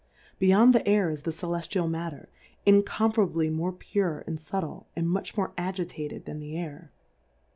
Be yond the Air is the Celeftial Matter, incomparably more pure and fubtle, and much more agitated than the Air.